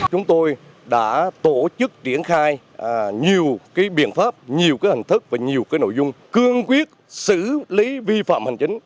chúng tôi đã tổ chức triển khai nhiều cái biện pháp nhiều cái hành thức và nhiều cái nội dung cương quyết xử lý vi phạm hành chính